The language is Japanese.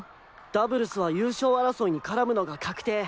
ダブルスは優勝争いにからむのが確定。